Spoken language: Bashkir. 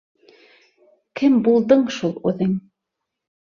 Кем булдың шул үҙең?